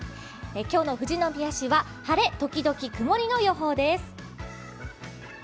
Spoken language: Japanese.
今日の富士宮市は晴れ時々曇りの予報です。